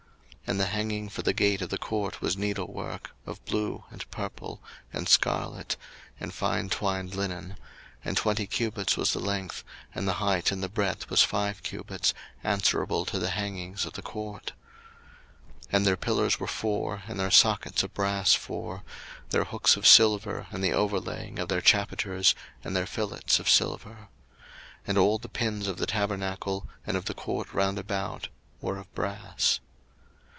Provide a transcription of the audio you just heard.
02:038:018 And the hanging for the gate of the court was needlework, of blue, and purple, and scarlet, and fine twined linen: and twenty cubits was the length, and the height in the breadth was five cubits, answerable to the hangings of the court. 02:038:019 And their pillars were four, and their sockets of brass four; their hooks of silver, and the overlaying of their chapiters and their fillets of silver. 02:038:020 And all the pins of the tabernacle, and of the court round about, were of brass.